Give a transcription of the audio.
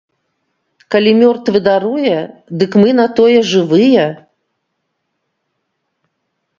Калі мёртвы даруе, дык мы на тое жывыя!